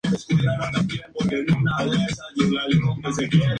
Ese mismo año, lanzó otros tres sencillos y un álbum.